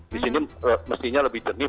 di sini mestinya lebih jernih